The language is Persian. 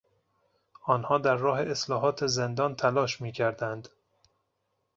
آنها در راه اصلاحات زندان تلاش میکردند.